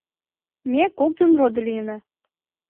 — Ме коктын родо лийына...